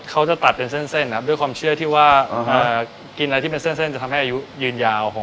เขาจะตัดเป็นเส้นครับด้วยความเชื่อที่ว่ากินอะไรที่เป็นเส้นจะทำให้อายุยืนยาว